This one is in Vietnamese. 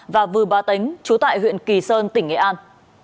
và vừa ba tính chú tại huyện kỳ sơn tỉnh nghệ an